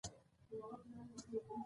د ټولنې هر فرد د اخلاقو مسؤلیت لري.